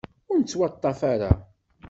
Ur nettwaḍḍaf ara.